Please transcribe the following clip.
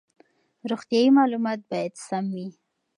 روغتیايي معلومات باید سم وي.